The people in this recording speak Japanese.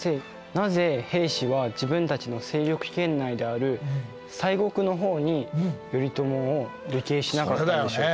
なぜ平氏は自分たちの勢力圏内である西国の方に頼朝を流刑しなかったんでしょうか？